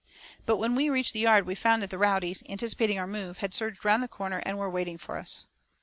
But when we reached the yard we found that the rowdies, anticipating our move, had surged round the corner, and were waiting for us.